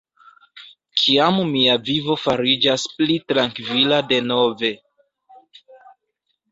Kiam mia vivo fariĝas pli trankvila denove